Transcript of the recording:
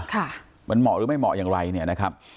ค่ะมันเหมาะหรือไม่เหมาะอย่างไรเนี่ยนะครับ